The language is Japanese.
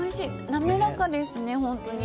なめらかですね。